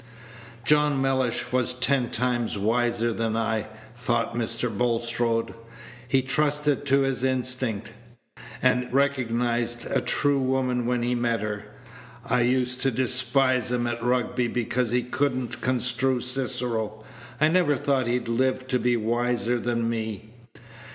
"John Mellish was ten times wiser than I," thought Mr. Bulstrode; "he trusted to his instinct, and recognized a true woman when he met her. I used to despise him at Rugby because he could n't construe Cicero. I never thought he'd live to be wiser than me."